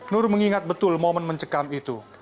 nur mengingat betul momen mencekam itu